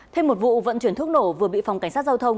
thêm một vụ vận chuyển thuốc nổ vừa bị phòng cảnh sát giao thông